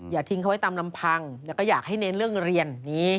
ทิ้งเขาไว้ตามลำพังแล้วก็อยากให้เน้นเรื่องเรียน